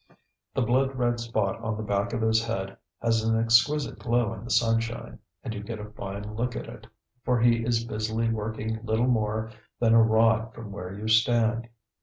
The blood red spot on the back of his head has an exquisite glow in the sunshine, and you get a fine look at it, for he is busily working little more than a rod from where you stand.